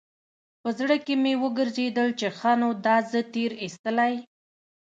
په زړه کښې مې وګرځېدل چې ښه نو دا زه تېر ايستلى.